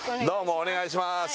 どうもお願いします